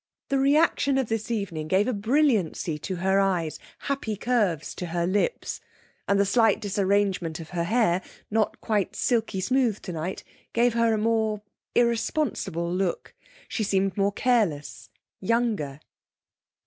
The reaction of this evening gave a brilliancy to her eyes, happy curves to her lips, and the slight disarrangement of her hair, not quite silky smooth tonight, gave her a more irresponsible look. She seemed more careless younger.